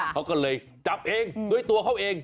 เขาก็เลยจับเองด้วยตัวเขาเอง